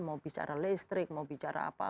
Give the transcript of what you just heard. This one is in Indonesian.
mau bicara listrik mau bicara apa